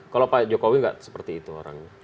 kalau pak jokowi nggak seperti itu orangnya